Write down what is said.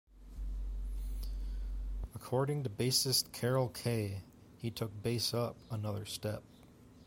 According to bassist Carol Kaye, He took bass up another step.